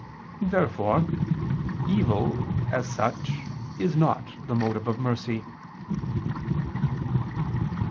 Therefore evil, as such, is not the motive of mercy.